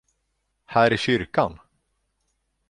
Här i kyrkan!